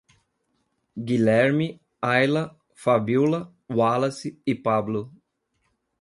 Guilerme, Aila, Fabíola, Wallace e Pablo